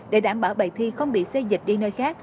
để đảm bảo bài thi không bị xê dịch đi nơi khác